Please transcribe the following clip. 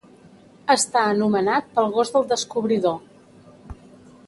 Està anomenat pel gos del descobridor.